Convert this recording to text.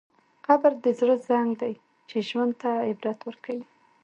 قبر د زړه زنګ دی چې ژوند ته عبرت ورکوي.